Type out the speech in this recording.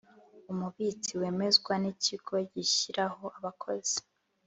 umubitsi wemezwa n ikigo gishyiraho abakozi